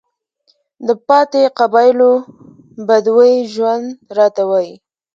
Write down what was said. د پاتې قبايلو بدوى ژوند راته وايي،